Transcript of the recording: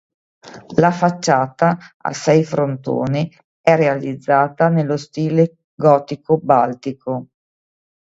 La facciata, a sei frontoni, è realizzata nello stile gotico baltico.